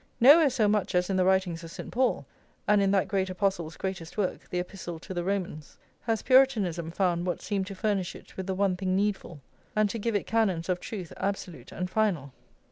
Nowhere so much as in the writings of St. Paul, and in that great apostle's greatest work, the Epistle to the Romans, has Puritanism found what seemed to furnish it with the one thing needful, and to give it canons of truth absolute and final.